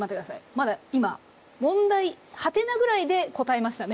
まだ今問題「？」ぐらいで答えましたね